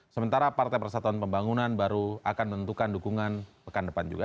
sementara partai persatuan pembangunan baru akan menentukan dukungan pekan depan juga